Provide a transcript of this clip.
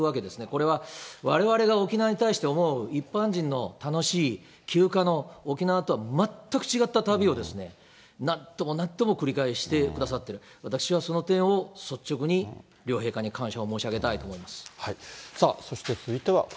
これはわれわれが沖縄に対して思う一般人の楽しい休暇の沖縄とは全く違った旅を、何度も何度も繰り返してくださっている、私はその点を率直に両陛下に感謝を申し上げたいと思います。